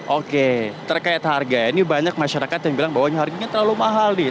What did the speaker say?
oke terkait harga ini banyak masyarakat yang bilang bahwa harganya terlalu mahal nih